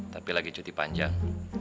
tapi lagi cuti panjang